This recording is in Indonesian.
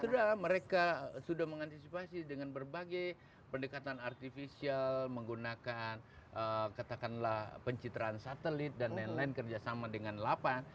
sudah mereka sudah mengantisipasi dengan berbagai pendekatan artificial menggunakan katakanlah pencitraan satelit dan lain lain kerjasama dengan lapan